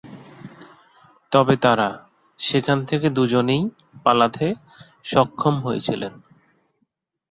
তবে তাঁরা সেখান থেকে দু'জনেই পালাতে সক্ষম হয়েছিলেন।